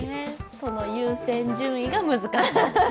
その優先順位が難しいんです。